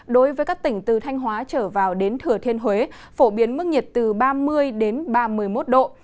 đối với các tỉnh từ thanh hóa trở vào đến thừa thiên huế phổ biến mức nhiệt từ ba mươi ba mươi một độ